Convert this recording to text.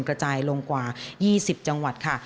กระจายลงกว่า๒๐จังหวัดค่ะ